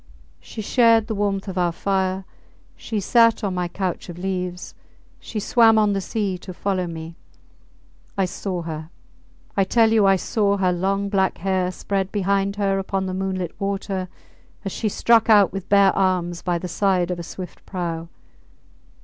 She shared the warmth of our fire, she sat on my couch of leaves, she swam on the sea to follow me. ... I saw her! ... I tell you I saw her long black hair spread behind her upon the moonlit water as she struck out with bare arms by the side of a swift prau.